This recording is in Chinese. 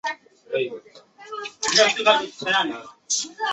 它的体型是目前圈养虎鲸中最大的。